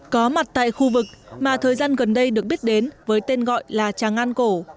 có mặt tại khu vực mà thời gian gần đây được biết đến với tên gọi là tràng an cổ